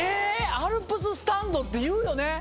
アルプススタンドって言うよね